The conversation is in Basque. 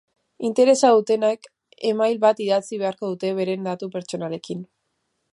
Interesa dutenek e-mail bat idatzi beharko dute beren datu pertsonalekin.